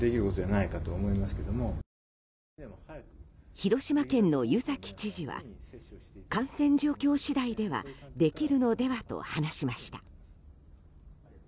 広島県の湯崎知事は感染状況次第ではできるのではと話しました。